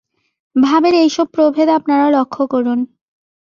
ভাবের এইসব প্রভেদ আপনারা লক্ষ্য করুন।